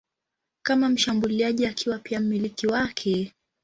kama mshambuliaji akiwa pia mmiliki wake.